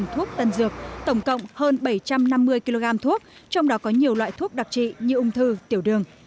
thuốc tân dược tổng cộng hơn bảy trăm năm mươi kg thuốc trong đó có nhiều loại thuốc đặc trị như ung thư tiểu đường